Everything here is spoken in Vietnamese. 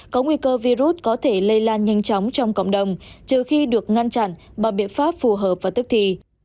có nguy cơ virus có thể lây lan nhanh chóng trong cộng đồng trừ khi được ngăn chặn bằng biện pháp phù hợp và tức thì